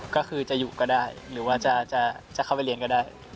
ก็คือจะอยู่ก็ได้หรือว่าจะเข้าไปเรียนก็ได้